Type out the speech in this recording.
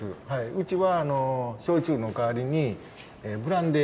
うちは焼酎の代わりにブランデー。